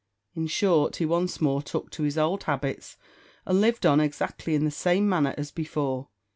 In short, he once more took to his old habits, and lived on exactly in the same manner as before.